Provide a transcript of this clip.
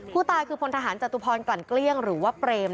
ผู้ตายคือพลทหารจตุพรกลั่นเกลี้ยงหรือว่าเปรม